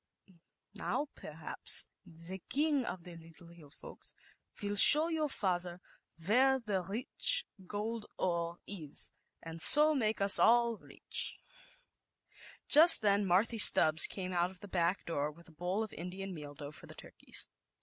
Now, perhaps the King of the < Little Folks' will show your father where / rich gold ore is, and so make us all Just then Marthy Stubbs came f the back door with a bowl of ian meal dough for the turkeys.